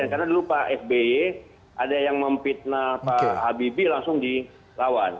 karena dulu pak fbe ada yang memfitnah pak habibie langsung dilawan